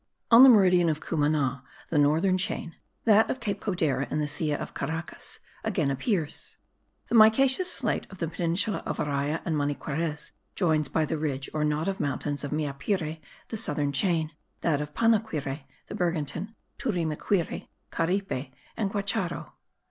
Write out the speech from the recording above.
On the meridian of Cumana the northern chain (that of Cape Codera and the Silla of Caracas) again appears. The micaceous slate of the peninsula of Araya and Maniquarez joins by the ridge or knot of mountains of Meapire the southern chain, that of Panaquire the Bergantin, Turimiquiri, Caripe and Guacharo.